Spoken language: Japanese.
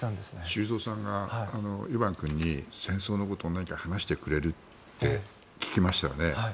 修造さんがイバン君に戦争のことを何か話してくれないかと聞きましたよね。